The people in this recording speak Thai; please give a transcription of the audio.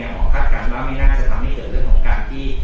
หมอคาดการณ์ว่าไม่น่าจะทำให้เกิดเรื่องของการที่